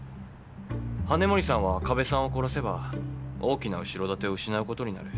羽森さんは加部さんを殺せば大きな後ろ盾を失うことになる。